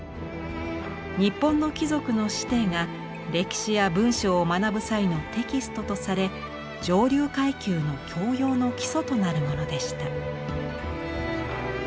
日本の貴族の子弟が歴史や文章を学ぶ際のテキストとされ上流階級の教養の基礎となるものでした。